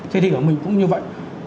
thế thì ở mình cũng như vậy